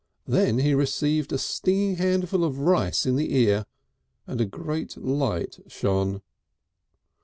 Then he received a stinging handful of rice in the ear, and a great light shone.